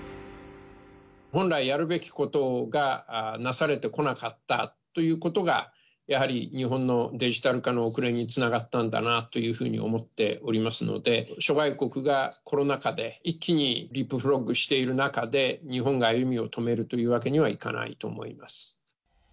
本来やるべきことがなされてこなかったということが、やはり日本のデジタル化の遅れにつながったんだなというふうに思っておりますので、諸外国がコロナ禍で一気にリープフロッグしている中で、日本が歩みを止めるというわけにはいかないと思います。